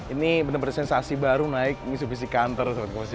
ini bener bener sensasi baru naik mitsubishi e counter